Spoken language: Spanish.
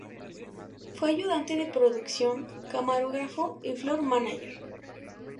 Fue ayudante de producción, camarógrafo y "floor manager".